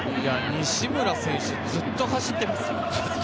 西村選手、ずっと走っています。